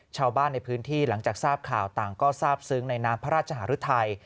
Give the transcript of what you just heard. ชาวบ้านในพื้นที่หลังจากทราบข่าวต่างก็ทราบซึ้งในน้ำพระราชหารุทัย